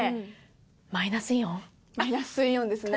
マイナスイオンですね。